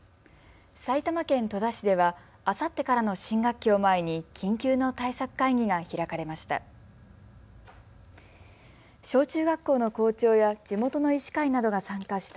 埼玉県戸田市ではあさってからの新学期を前に緊急の対策会議が開かれました。